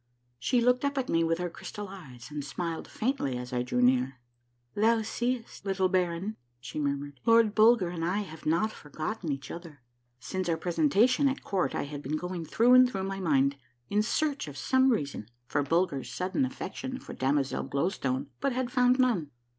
She looked up at me with her crystal eyes, and smiled faintly as I drew near. " Thou seest, little baron," she murmured, " Lord Bulger and I have not forgotten each other." Since our presentation at court I had been going through and through my mind in search of some reason for Bulger's sudden affection for damozel Glow Stone, but had found none.